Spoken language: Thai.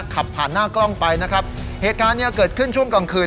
ขับผ่านหน้ากล้องไปนะครับเหตุการณ์เนี้ยเกิดขึ้นช่วงกลางคืน